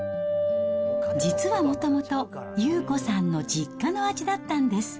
実はもともと、祐子さんの実家の味だったんです。